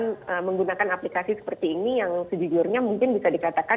dan menggunakan aplikasi seperti ini yang sejujurnya mungkin bisa dikatakan